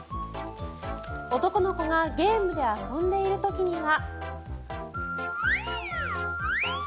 男の子がゲームで遊んでいる時には。